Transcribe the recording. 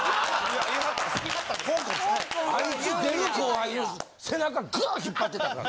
あいつ出る後輩を背中グーッ引っ張ってたから。